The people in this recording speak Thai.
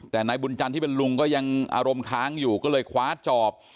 แต่นายบุญจันทร์ที่เป็นลุงก็ยังอารมณ์ค้างอยู่ก็เลยคว้าจอบ